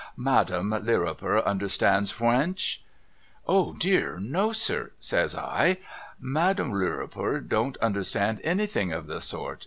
Madame Lirrwiper understands Frrwench ?'' O dear no sir 1 ' says I. ' Madame Lirriper don't understand anything of the sort.'